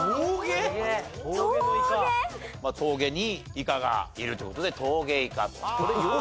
「峠にイカがいる」という事で陶芸家という。